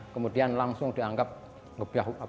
kemudian langsung dianggap ngebahu